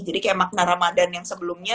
jadi kayak makna ramadan yang sebelumnya